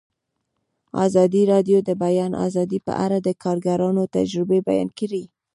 ازادي راډیو د د بیان آزادي په اړه د کارګرانو تجربې بیان کړي.